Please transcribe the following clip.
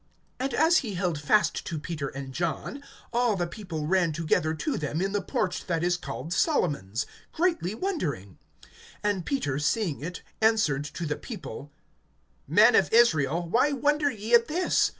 (11)And as he held fast to Peter and John, all the people ran together to them in the porch that is called Solomon's, greatly wondering. (12)And Peter, seeing it, answered to the people: Men of Israel, why wonder ye at this?